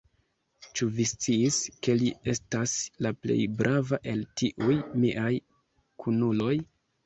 Ĉu vi sciis, ke li estas la plej brava el tiuj miaj kunuloj?